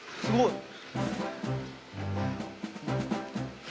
すごい。